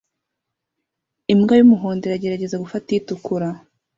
Imbwa y'umuhondo iragerageza gufata itukura